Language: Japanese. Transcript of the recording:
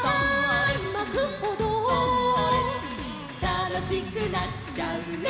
「たのしくなっちゃうね」